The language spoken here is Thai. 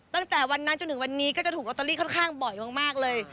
ตั้งแต่วันนั้นจนถึงวันนี้ก็จะถูกลอตเตอรี่ค่อนข้างบ่อยมากเลย